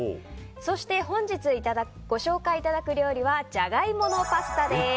そして本日ご紹介いただく料理はジャガイモのパスタです。